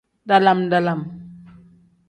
Dalam-dalam.